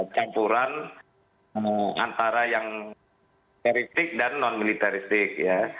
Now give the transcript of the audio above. campuran antara yang terik dan non militaristik